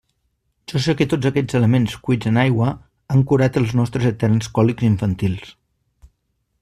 Jo sé que tots aquests elements cuits en aigua han curat els nostres eterns còlics infantils.